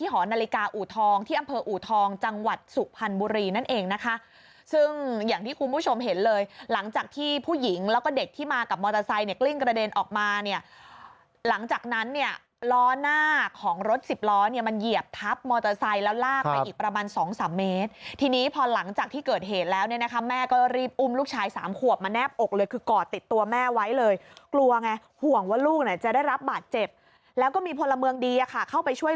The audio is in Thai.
เห็นเลยหลังจากที่ผู้หญิงแล้วก็เด็กที่มากับมอเตอร์ไซค์เนี่ยกลิ้งกระเด็นออกมาเนี่ยหลังจากนั้นเนี่ยล้อหน้าของรถสิบล้อเนี่ยมันเหยียบทับมอเตอร์ไซค์แล้วลากไปอีกประมาณสองสามเมตรทีนี้พอหลังจากที่เกิดเหตุแล้วเนี่ยนะคะแม่ก็รีบอุ้มลูกชายสามขวบมาแนบอกเลยคือกอดติดตัวแม่ไว้เลยกลัวไงห